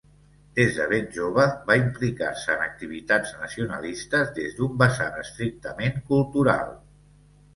Des de ben jove va implicar-se en activitats nacionalistes des d'un vessant estrictament cultural.